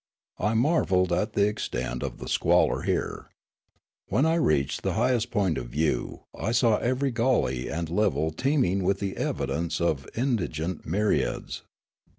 I marvelled at the extent of the squalor here. When I reached the highest point of view 1 saw every gully and level teeming with the evidence of in digent myriads.